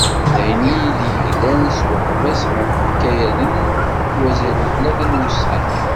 Dayen i d-yeglan s uḥbas ɣef yikayaden i wazal n tlata n wussan.